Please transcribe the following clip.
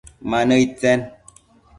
Ma nëid tsen ?